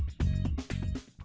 xin chào các bạn